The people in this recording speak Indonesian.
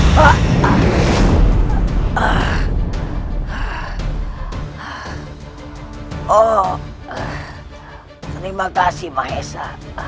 terima kasih mahesa